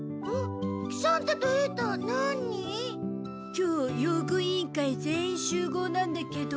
今日用具委員会全員集合なんだけど。